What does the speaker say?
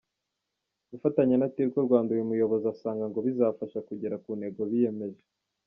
Gufatanya na Tigo Rwanda uyu muyobozi asanga ngo bizabafasha kugera ku ntego biyemeje.